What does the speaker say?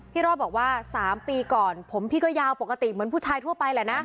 รอดบอกว่า๓ปีก่อนผมพี่ก็ยาวปกติเหมือนผู้ชายทั่วไปแหละนะ